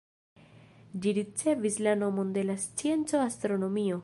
Ĝi ricevis la nomon de la scienco "astronomio".